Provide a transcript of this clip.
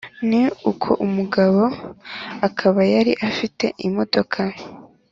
ni uko umugabo akaba yari afite imodoka